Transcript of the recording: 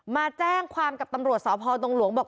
มาแจ้งความกับตำรวจสพดงหลวงบอก